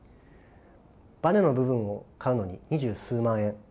バネの部分を買うのに二十数万円。